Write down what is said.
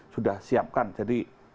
sudah siapkan jadi